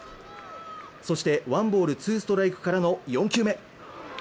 そして、ワンボール・ツーストライクからの４球目。